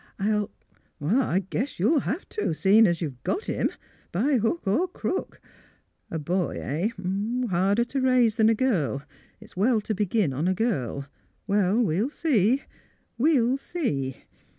I'll "" I gTiess you'll have to, seeing you've got him, by hook or crook. A boy — eh? Harder to raise than a girl. It's well to begin on a girl. Well, "we'll see — we'll see!